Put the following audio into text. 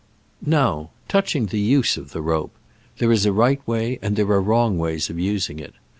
Now, touching the use of the rope. There is a right way and there are wrong ways of using it.